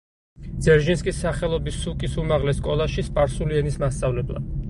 ძერჟინსკის სახელობის სუკის უმაღლეს სკოლაში სპარსული ენის მასწავლებლად.